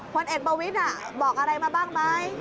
พลเอกประวิทย์บอกอะไรมาบ้างไหม